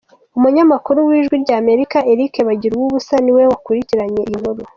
Umunyamakuru w’Ijwi ry’Amerika Eric Bagiruwubusa ni we wakurikirnaye iyi nkuru.